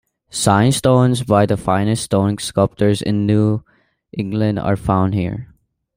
Signed stones by the finest stone sculptors in New England are found here.